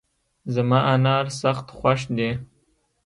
زما انار سخت خوښ دي